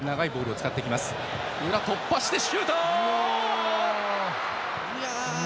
裏、突破してシュート！